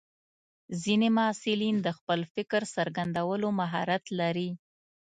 ځینې محصلین د خپل فکر څرګندولو مهارت لري.